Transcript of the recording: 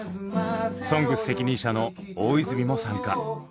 「ＳＯＮＧＳ」責任者の大泉も参加。